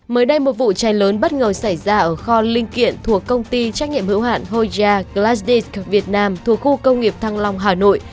mới đây một vụ cháy lớn bất ngờ xảy ra ở kho linh kiện thuộc công ty trách nhiệm hữu hạn hoja classy việt nam thuộc khu công nghiệp thăng long hà nội